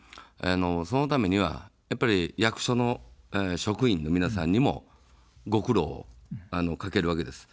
そのためにはやっぱり役所の職員の皆さんにもご苦労をかけるわけです。